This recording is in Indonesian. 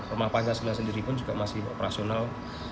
rumah pancasila sendiri pun juga masih operasional